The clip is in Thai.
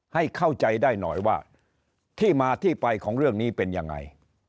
ให้เข้าใจได้หน่อยว่าที่มาที่ไปของเรื่องนี้เป็นยังไง